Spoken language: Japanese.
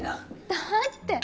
だって